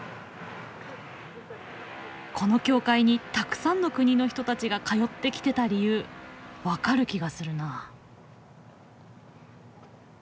この教会にたくさんの国の人たちが通ってきてた理由分かる気がするな。